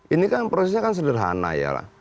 ini kan prosesnya sederhana